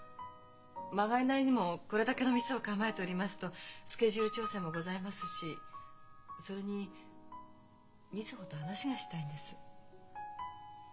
曲がりなりにもこれだけの店を構えておりますとスケジュール調整もございますしそれに瑞穂と話がしたいんです。